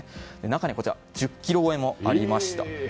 中には１０ｋｇ超えもありました。